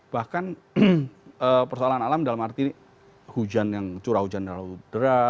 bahkan persoalan alam dalam arti curah hujan dalam udara